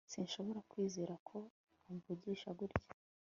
sinshobora kwizera ko umvugisha gutya